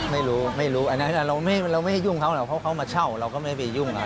ไม่รู้เราไม่ให้ยุ่งเขาเขามาเช่าเราก็ไม่ได้วิ่งกับเขา